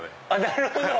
なるほど！